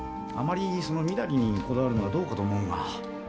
あまりその身なりにこだわるのはどうかと思うが。